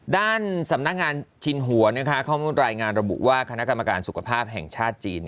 ด้านสำนักงานชินหัวข้อมูลรายงานระบุว่าคณะกรรมการสุขภาพแห่งชาติจีน